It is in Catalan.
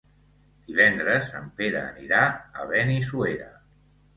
Divendres en Pere anirà a Benissuera.